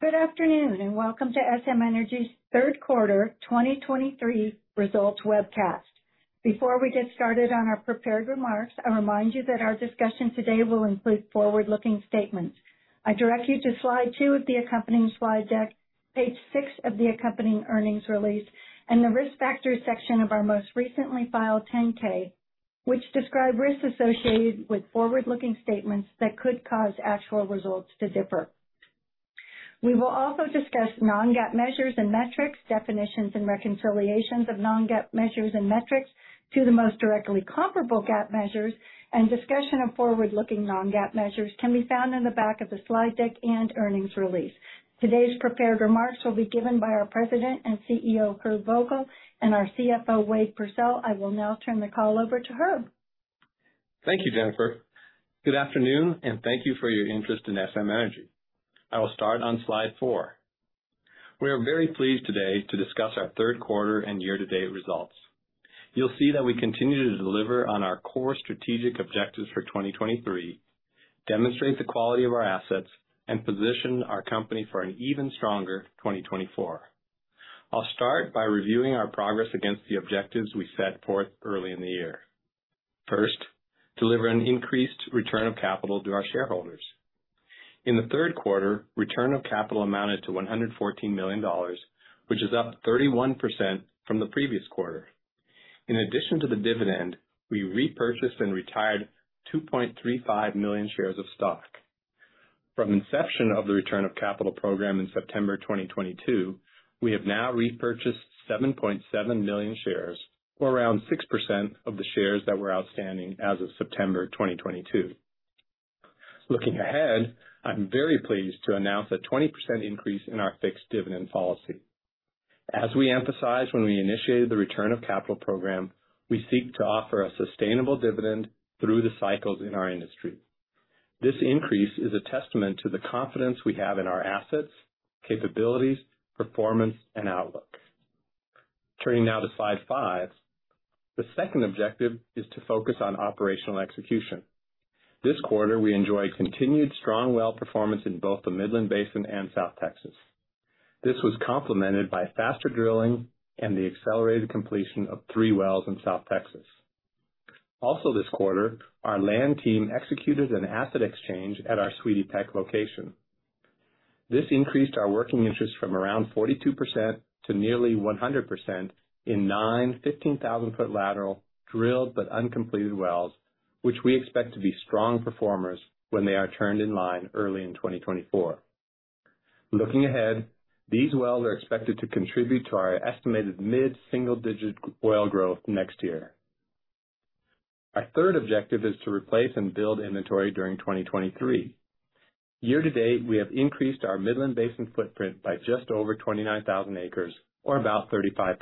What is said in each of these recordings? Good afternoon, and welcome to SM Energy's third quarter 2023 results webcast. Before we get started on our prepared remarks, I'll remind you that our discussion today will include forward-looking statements. I direct you to slide two of the accompanying slide deck, page six of the accompanying earnings release, and the Risk Factors section of our most recently filed 10-K, which describe risks associated with forward-looking statements that could cause actual results to differ. We will also discuss non-GAAP measures and metrics, definitions and reconciliations of non-GAAP measures and metrics to the most directly comparable GAAP measures, and discussion of forward-looking non-GAAP measures can be found in the back of the slide deck and earnings release. Today's prepared remarks will be given by our President and CEO, Herb Vogel, and our CFO, Wade Pursell. I will now turn the call over to Herb. Thank you, Jennifer. Good afternoon, and thank you for your interest in SM Energy. I will start on slide four. We are very pleased today to discuss our third quarter and year-to-date results. You'll see that we continue to deliver on our core strategic objectives for 2023, demonstrate the quality of our assets, and position our company for an even stronger 2024. I'll start by reviewing our progress against the objectives we set forth early in the year. First, deliver an increased return of capital to our shareholders. In the third quarter, return of capital amounted to $114 million, which is up 31% from the previous quarter. In addition to the dividend, we repurchased and retired 2.35 million shares of stock. From inception of the return of capital program in September 2022, we have now repurchased 7.7 million shares, or around 6% of the shares that were outstanding as of September 2022. Looking ahead, I'm very pleased to announce a 20% increase in our fixed dividend policy. As we emphasized when we initiated the return of capital program, we seek to offer a sustainable dividend through the cycles in our industry. This increase is a testament to the confidence we have in our assets, capabilities, performance, and outlook. Turning now to slide five. The second objective is to focus on operational execution. This quarter, we enjoy continued strong well performance in both the Midland Basin and South Texas. This was complemented by faster drilling and the accelerated completion of three wells in South Texas. Also this quarter, our land team executed an asset exchange at our Sweetie Peck location. This increased our working interest from around 42% to nearly 100% in nine 15,000-ft lateral, drilled but uncompleted wells, which we expect to be strong performers when they are turned in line early in 2024. Looking ahead, these wells are expected to contribute to our estimated mid-single-digit oil growth next year. Our third objective is to replace and build inventory during 2023. Year to date, we have increased our Midland Basin footprint by just over 29,000 acres or about 35%.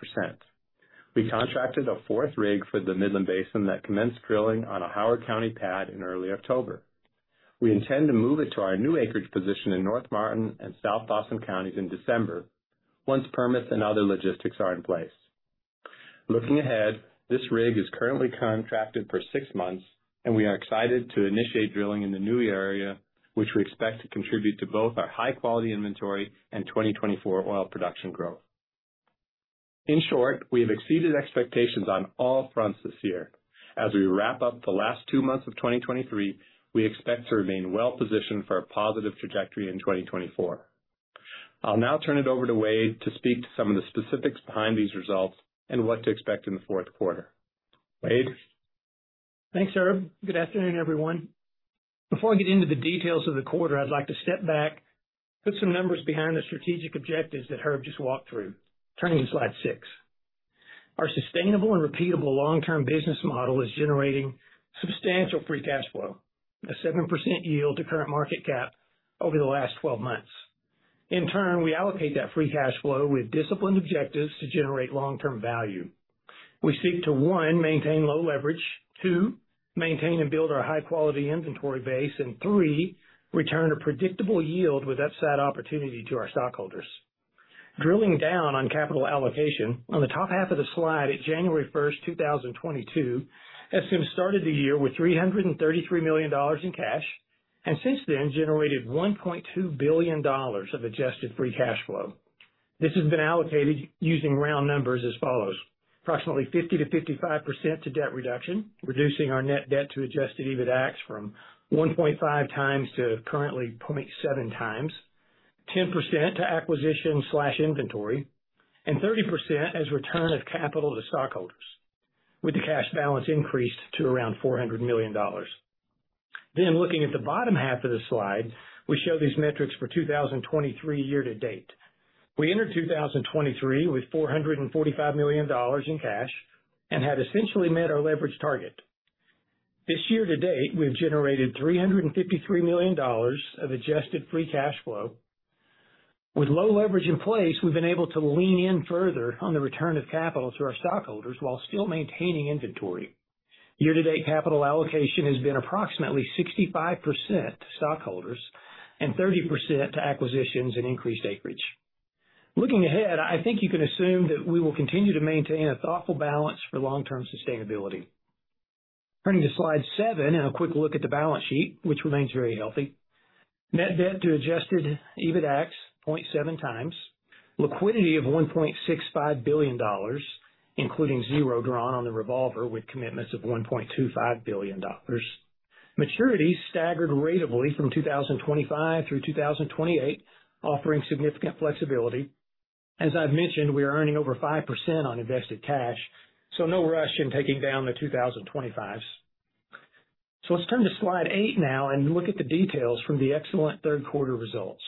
We contracted a fourth rig for the Midland Basin that commenced drilling on a Howard County pad in early October. We intend to move it to our new acreage position in North Martin and South Dawson Counties in December, once permits and other logistics are in place. Looking ahead, this rig is currently contracted for six months, and we are excited to initiate drilling in the new area, which we expect to contribute to both our high-quality inventory and 2024 oil production growth. In short, we have exceeded expectations on all fronts this year. As we wrap up the last two months of 2023, we expect to remain well positioned for a positive trajectory in 2024. I'll now turn it over to Wade to speak to some of the specifics behind these results and what to expect in the fourth quarter. Wade? Thanks, Herb. Good afternoon, everyone. Before I get into the details of the quarter, I'd like to step back, put some numbers behind the strategic objectives that Herb just walked through. Turning to slide six. Our sustainable and repeatable long-term business model is generating substantial free cash flow, a 7% yield to current market cap over the last 12 months. In turn, we allocate that free cash flow with disciplined objectives to generate long-term value. We seek to, one, maintain low leverage, two, maintain and build our high-quality inventory base, and three, return a predictable yield with upside opportunity to our stockholders. Drilling down on capital allocation, on the top half of the slide, at January 1st, 2022, SM started the year with $333 million in cash, and since then generated $1.2 billion of adjusted free cash flow. This has been allocated using round numbers as follows: approximately 50%-55% to debt reduction, reducing our net debt to adjusted EBITDAX from 1.5x to currently 0.7x, 10% to acquisition/inventory, and 30% as return of capital to stockholders, with the cash balance increased to around $400 million. Then, looking at the bottom half of the slide, we show these metrics for 2023 year to date. We entered 2023 with $445 million in cash and had essentially met our leverage target. This year to date, we've generated $353 million of adjusted free cash flow. With low leverage in place, we've been able to lean in further on the return of capital to our stockholders while still maintaining inventory. Year to date, capital allocation has been approximately 65% to stockholders and 30% to acquisitions and increased acreage. Looking ahead, I think you can assume that we will continue to maintain a thoughtful balance for long-term sustainability. Turning to slide seven and a quick look at the balance sheet, which remains very healthy. Net debt to adjusted EBITDAX is 0.7x. Liquidity of $1.65 billion, including zero drawn on the revolver, with commitments of $1.25 billion. Maturities staggered ratably from 2025 through 2028, offering significant flexibility. As I've mentioned, we are earning over 5% on invested cash, so no rush in taking down the 2025s. So let's turn to slide eight now and look at the details from the excellent third quarter results.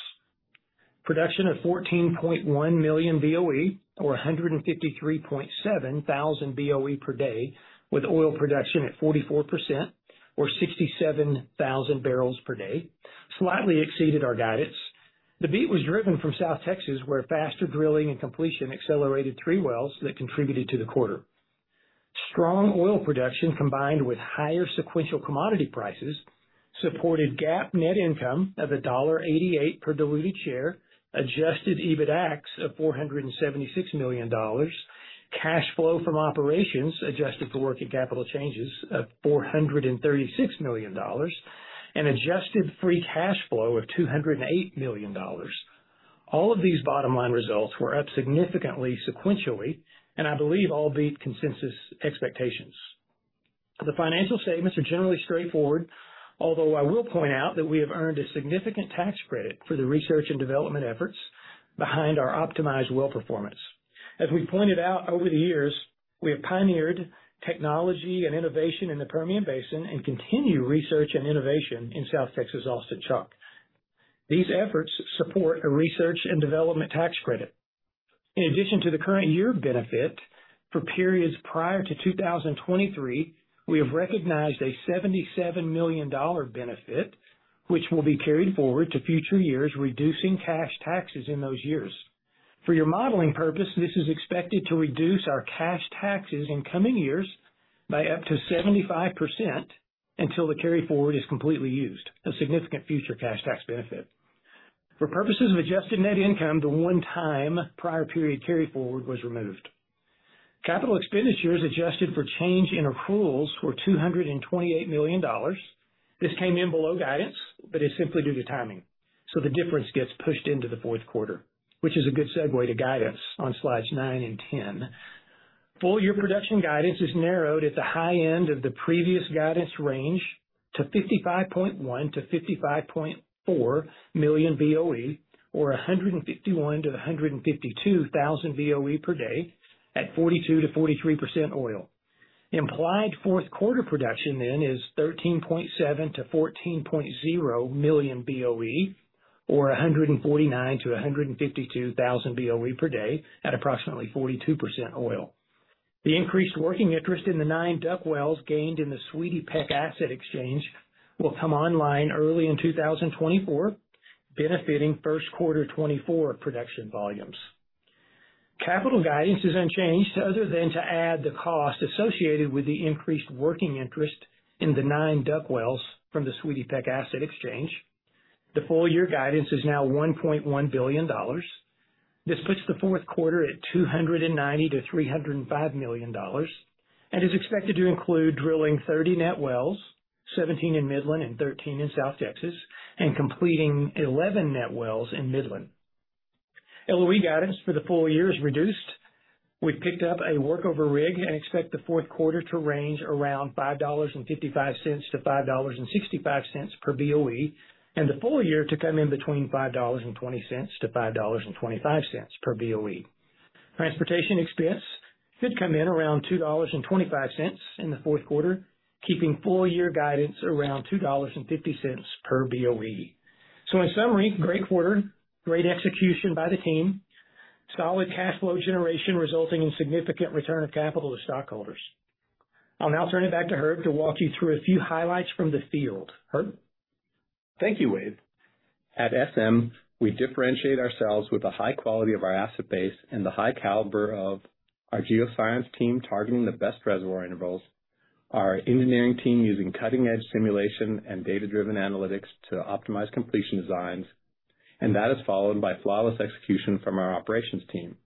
Production of 14.1 million BOE, or 153.7 thousand BOE per day, with oil production at 44% or 67,000 barrels per day, slightly exceeded our guidance. The beat was driven from South Texas, where faster drilling and completion accelerated three wells that contributed to the quarter. Strong oil production, combined with higher sequential commodity prices, supported GAAP net income of $1.88 per diluted share, adjusted EBITDAX of $476 million, cash flow from operations adjusted for working capital changes of $436 million, and adjusted free cash flow of $208 million. All of these bottom line results were up significantly, sequentially, and I believe all beat consensus expectations. The financial statements are generally straightforward, although I will point out that we have earned a significant tax credit for the research and development efforts behind our optimized well performance. As we pointed out over the years, we have pioneered technology and innovation in the Permian Basin and continue research and innovation in South Texas Austin Chalk. These efforts support a research and development tax credit. In addition to the current year benefit, for periods prior to 2023, we have recognized a $77 million benefit, which will be carried forward to future years, reducing cash taxes in those years. For your modeling purpose, this is expected to reduce our cash taxes in coming years by up to 75% until the carryforward is completely used, a significant future cash tax benefit. For purposes of adjusted net income, the one-time prior period carryforward was removed. Capital expenditures adjusted for change in accruals were $228 million. This came in below guidance, but is simply due to timing, so the difference gets pushed into the fourth quarter, which is a good segue to guidance on slides nine and 10. Full year production guidance is narrowed at the high end of the previous guidance range to 55.1 million-55.4 million BOE, or 151,000-152,000 BOE per day at 42%-43% oil. Implied fourth quarter production then is 13.7 million-14.0 million BOE, or 149,000-152,000 BOE per day at approximately 42% oil. The increased working interest in the nine DUC wells gained in the Sweetie Peck asset exchange will come online early in 2024, benefiting first quarter 2024 production volumes. Capital guidance is unchanged other than to add the cost associated with the increased working interest in the nine DUC wells from the Sweetie Peck asset exchange. The full year guidance is now $1.1 billion. This puts the fourth quarter at $290 million-$305 million and is expected to include drilling 30 net wells, 17 in Midland and 13 in South Texas, and completing 11 net wells in Midland. LOE guidance for the full year is reduced. We've picked up a workover rig and expect the fourth quarter to range around $5.55-$5.65 per BOE, and the full year to come in between $5.20-$5.25 per BOE. Transportation expense should come in around $2.25 in the fourth quarter, keeping full year guidance around $2.50 per BOE. So in summary, great quarter, great execution by the team, solid cash flow generation resulting in significant return of capital to stockholders. I'll now turn it back to Herb to walk you through a few highlights from the field. Herb? Thank you, Wade. At SM, we differentiate ourselves with the high quality of our asset base and the high caliber of our geoscience team, targeting the best reservoir intervals, our engineering team using cutting-edge simulation and data-driven analytics to optimize completion designs, and that is followed by flawless execution from our operations team.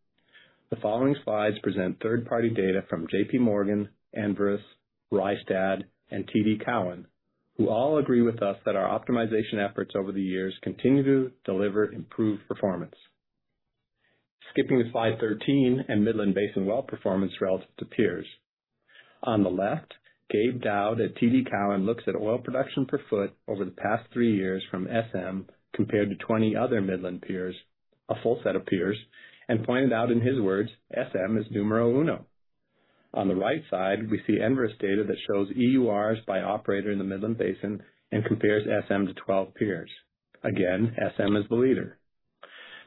The following slides present third-party data from J.P. Morgan, Enverus, Rystad, and TD Cowen, who all agree with us that our optimization efforts over the years continue to deliver improved performance. Skipping to slide 13 and Midland Basin well performance relative to peers. On the left, Gabe Daoud at TD Cowen looks at oil production per foot over the past three years from SM, compared to 20 other Midland peers, a full set of peers, and pointed out, in his words, "SM is numero uno." On the right side, we see Enverus data that shows EURs by operator in the Midland Basin and compares SM to 12 peers. Again, SM is the leader.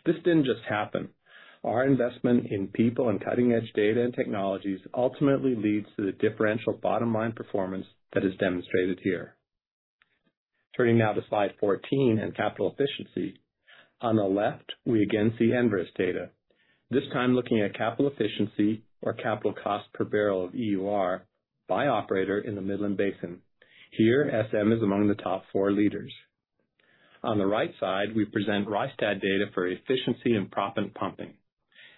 This didn't just happen. Our investment in people and cutting-edge data and technologies ultimately leads to the differential bottom line performance that is demonstrated here. Turning now to slide 14 and capital efficiency. On the left, we again see Enverus data, this time looking at capital efficiency or capital cost per barrel of EUR by operator in the Midland Basin. Here, SM is among the top four leaders. On the right side, we present Rystad data for efficiency and proppant pumping.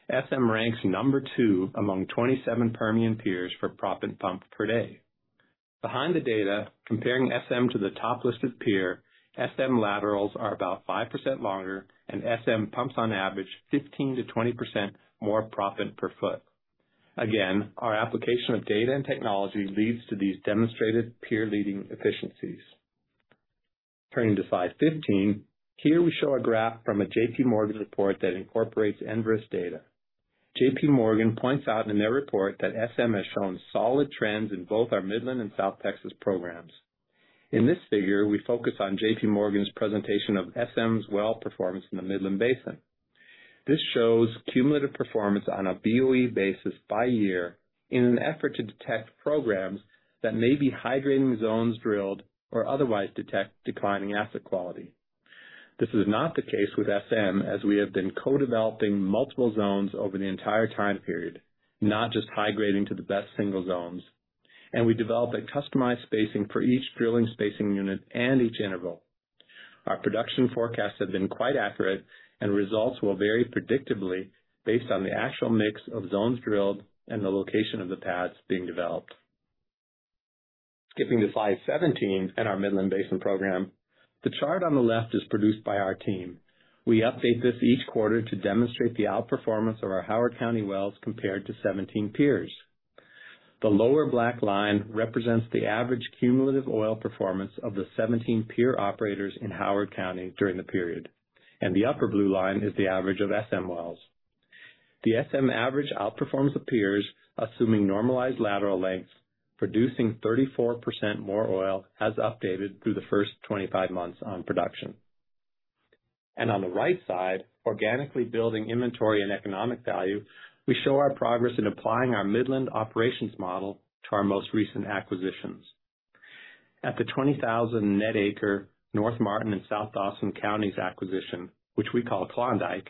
SM ranks two among 27 Permian peers for proppant pumped per day. Behind the data, comparing SM to the top listed peer, SM laterals are about 5% longer, and SM pumps on average 15%-20% more proppant per foot. Again, our application of data and technology leads to these demonstrated peer-leading efficiencies. Turning to slide 15, here we show a graph from a J.P. Morgan report that incorporates Enverus data. J.P. Morgan points out in their report that SM has shown solid trends in both our Midland and South Texas programs. In this figure, we focus on J.P. Morgan's presentation of SM's well performance in the Midland Basin. This shows cumulative performance on a BOE basis by year, in an effort to detect programs that may be high grading zones drilled or otherwise detect declining asset quality. This is not the case with SM, as we have been co-developing multiple zones over the entire time period, not just high grading to the best single zones, and we developed a customized spacing for each drilling spacing unit and each interval. Our production forecasts have been quite accurate, and results will vary predictably based on the actual mix of zones drilled and the location of the pads being developed. Skipping to slide 17 and our Midland Basin program, the chart on the left is produced by our team. We update this each quarter to demonstrate the outperformance of our Howard County wells compared to 17 peers. The lower black line represents the average cumulative oil performance of the 17 peer operators in Howard County during the period, and the upper blue line is the average of SM wells. The SM average outperforms the peers, assuming normalized lateral lengths, producing 34% more oil as updated through the first 25 months on production. On the right side, organically building inventory and economic value, we show our progress in applying our Midland operations model to our most recent acquisitions. At the 20,000 net acre North Martin and South Dawson Counties acquisition, which we call Klondike,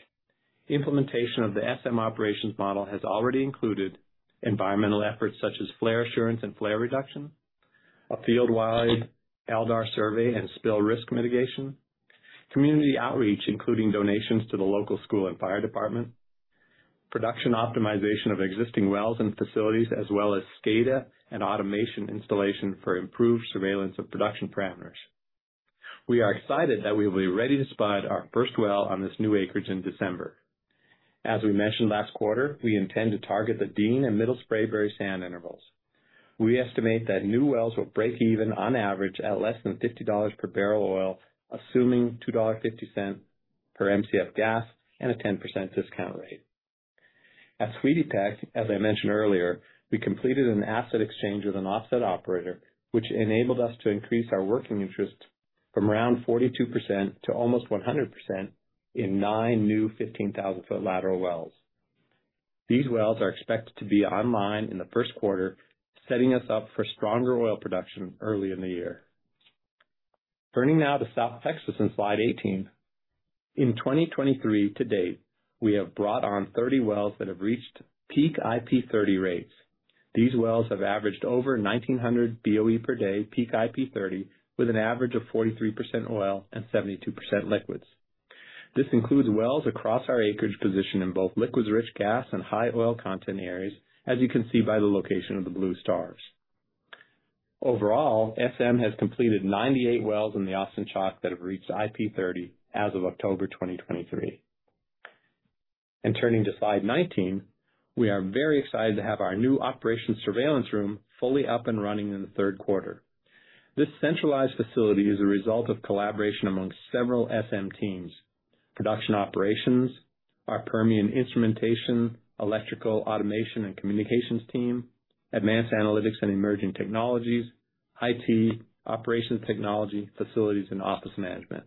implementation of the SM operations model has already included environmental efforts such as flare assurance and flare reduction, a field-wide LDAR survey and spill risk mitigation, community outreach, including donations to the local school and fire department, production optimization of existing wells and facilities, as well as SCADA and automation installation for improved surveillance of production parameters. We are excited that we will be ready to spot our first well on this new acreage in December. As we mentioned last quarter, we intend to target the Dean and Middle Spraberry sand intervals. We estimate that new wells will break even on average at less than $50 per barrel of oil, assuming $2.50 per Mcf gas and a 10% discount rate. At Sweetie Peck, as I mentioned earlier, we completed an asset exchange with an offset operator, which enabled us to increase our working interest from around 42% to almost 100% in nine new 15,000-ft lateral wells. These wells are expected to be online in the first quarter, setting us up for stronger oil production early in the year. Turning now to South Texas in slide 18. In 2023 to date, we have brought on 30 wells that have reached peak IP30 rates. These wells have averaged over 1,900 BOE per day, peak IP30, with an average of 43% oil and 72% liquids. This includes wells across our acreage position in both liquids-rich gas and high oil content areas, as you can see by the location of the blue stars. Overall, SM has completed 98 wells in the Austin Chalk that have reached IP30 as of October 2023. Turning to slide 19, we are very excited to have our new operations surveillance room fully up and running in the third quarter. This centralized facility is a result of collaboration among several SM teams: production operations, our Permian instrumentation, electrical, automation and communications team, advanced analytics and emerging technologies, IT, operations technology, facilities and office management.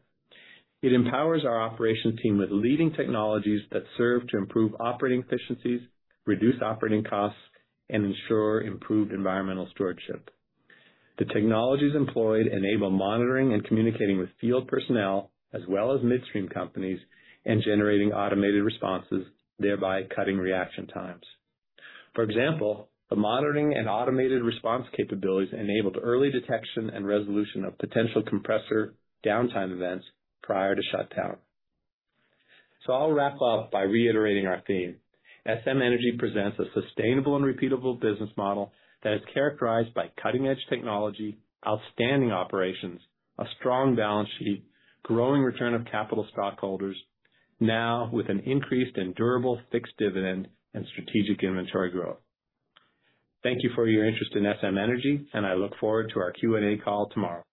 It empowers our operations team with leading technologies that serve to improve operating efficiencies, reduce operating costs, and ensure improved environmental stewardship. The technologies employed enable monitoring and communicating with field personnel, as well as midstream companies, and generating automated responses, thereby cutting reaction times. For example, the monitoring and automated response capabilities enabled early detection and resolution of potential compressor downtime events prior to shutdown. I'll wrap up by reiterating our theme. SM Energy presents a sustainable and repeatable business model that is characterized by cutting-edge technology, outstanding operations, a strong balance sheet, growing return of capital stockholders, now with an increased and durable fixed dividend and strategic inventory growth. Thank you for your interest in SM Energy, and I look forward to our Q&A call tomorrow.